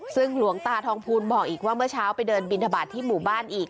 ซึ่งหลวงตาทองภูลบอกอีกว่าเมื่อเช้าไปเดินบินทบาทที่หมู่บ้านอีก